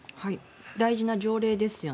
大事な条例ですよね。